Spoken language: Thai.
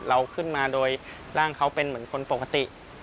เราขึ้นมาโดยร่างเขาเป็นเหมือนคนปกติ